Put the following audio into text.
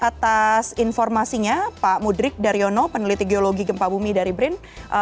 atas informasinya pak mudrik daryono peneliti geologi gempa bumi dari brin